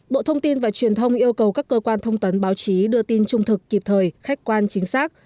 bộ thông tin và truyền thông yêu cầu các cơ quan thông tấn báo chí đưa tin trung thực kịp thời khách quan chính xác